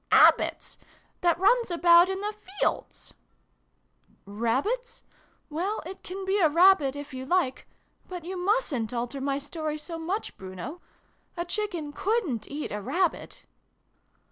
" Bab bits that runs about in the fields !"" Rabbit ? Well it can be a Rabbit, if you like. But you mustn't alter my story so much, Bruno. A Chicken couldnt eat a Rabbit